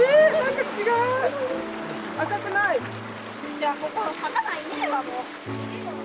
いやここ魚いねえわもう。